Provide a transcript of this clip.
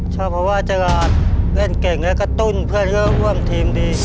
ชอบเพราะว่าเจอร์หลาดเล่นเก่งและกระตุ้นเพื่อเลือกร่วมทีมดี